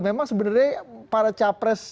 memang sebenarnya para capres